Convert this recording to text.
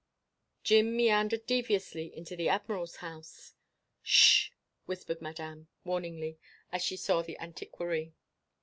Jim meandered deviously into the Admiral's house. "Sh!" whispered Madame, warningly, as she saw the antiquary.